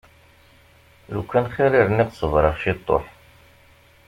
Lukan xir i rniɣ ṣebreɣ ciṭuḥ.